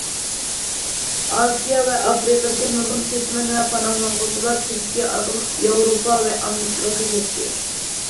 ئاسىيا ۋە ئافرىقىدىكى نۇرغۇن كۆچمەن ۋە پاناھلانغۇچىلار تۈركىيە ئارقىلىق ياۋروپا ۋە ئامېرىكىغا كۆچەتتى.